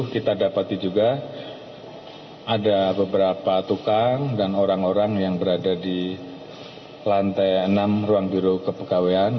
kita dapati juga ada beberapa tukang dan orang orang yang berada di lantai enam ruang biro kepegawaian